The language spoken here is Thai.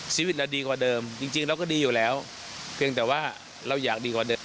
ชีวิตเราดีกว่าเดิมจริงเราก็ดีอยู่แล้วเพียงแต่ว่าเราอยากดีกว่าเดิม